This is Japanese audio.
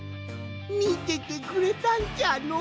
みててくれたんじゃのう。